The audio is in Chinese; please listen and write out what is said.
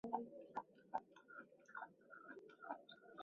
泰拉诺娃出生于义大利托斯卡尼的。